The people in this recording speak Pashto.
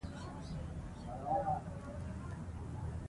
ملالۍ اوبه رسوي.